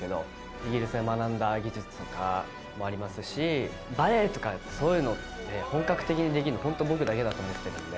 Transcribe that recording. イギリスで学んだ技術とかもありますしバレエとかそういうのって本格的にできるのホント僕だけだと思ってるので。